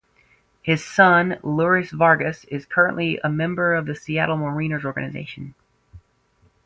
His son, Leurys Vargas, is currently a member of the Seattle Mariners organization.